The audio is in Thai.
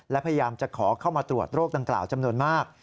และพยายามจะขอเข้ามาตรวจโรคดังกล่าวจำนวนมาก